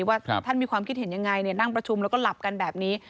ว่าท่านมีความคิดเห็นยังไงนั่งประชุมแล้วก็หลับกันแบบนี้